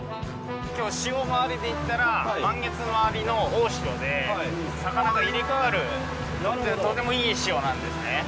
きょうは潮回りでいったら、満月まわりの大潮で、魚が入れ替わるとてもいい潮なんですね。